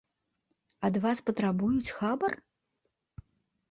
Ад вас патрабуюць хабар?